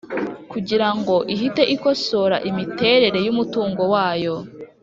kugira ngo ihite ikosora imiterere y’umutungo wayo